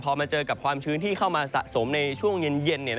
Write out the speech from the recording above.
พอมาเจอกับความชื้นที่เข้ามาสะสมในช่วงเย็น